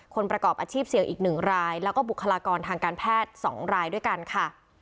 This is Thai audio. ประกอบอาชีพเสี่ยงอีก๑รายแล้วก็บุคลากรทางการแพทย์๒รายด้วยกันค่ะ